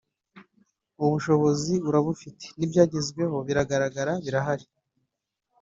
ubushobozi arabufite n’ibyagezweho biragaragara birahari